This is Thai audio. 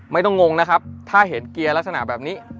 งงนะครับถ้าเห็นเกียร์ลักษณะแบบนี้